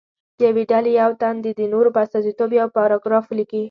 د یوې ډلې یو تن دې د نورو په استازیتوب یو پاراګراف ولیکي.